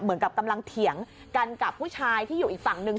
เหมือนกับกำลังเถียงกันกับผู้ชายที่อยู่อีกฝั่งหนึ่ง